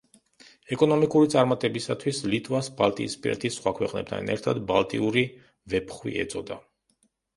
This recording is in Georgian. ეკონომიკური წარმატებებისათვის ლიტვას ბალტიისპირეთის სხვა ქვეყნებთან ერთად ბალტიური ვეფხვი ეწოდა.